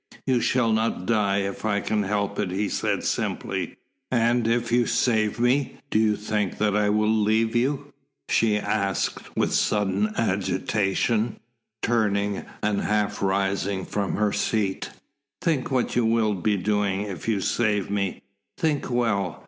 "You shall not die if I can help it," he said simply. "And if you save me, do you think that I will leave you?" she asked with sudden agitation, turning and half rising from her seat. "Think what you will be doing, if you save me. Think well.